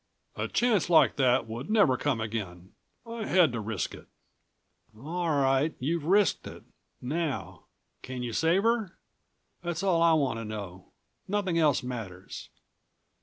"A chance like that would never come again. I had to risk it." "All right you've risked it. Now ... can you save her? That's all I want to know. Nothing else matters."